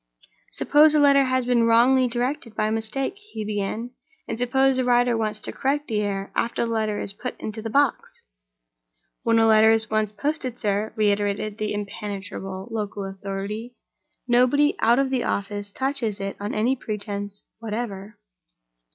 "Suppose a letter has been wrongly directed by mistake?" he began. "And suppose the writer wants to correct the error after the letter is put into the box?" "When a letter is once posted, sir," reiterated the impenetrable local authority, "nobody out of the office touches it on any pretense whatever."